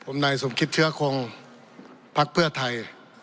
ผมนายสุมศิษย์เชื้อคงพรรคเพื้อไทย